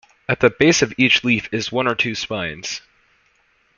At the base of each leaf is one or two spines.